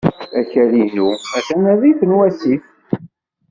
Akal-inu atan rrif wasif.